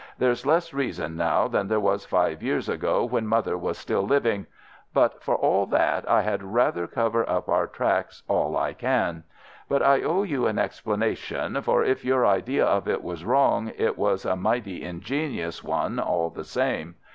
There's less reason now than there was five years ago when mother was still living. But for all that, I had rather cover up our tracks all I can. But I owe you an explanation, for if your idea of it was wrong, it was a mighty ingenious one all the same.